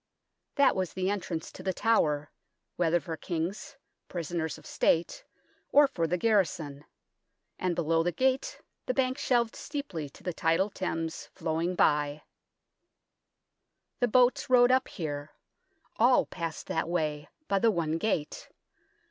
That was the entrance to The Tower, whether for Kings, prisoners of State, or for the garrison ; and below the gate the bank shelved steeply to the tidal Thames flowing by. THE FORTRESS 19 The boats rowed up here. All passed that way, by the one gate.